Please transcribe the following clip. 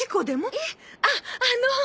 いえあっあの。